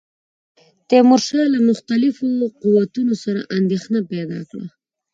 تیمورشاه له مختلفو قوتونو سره اندېښنه پیدا کړه.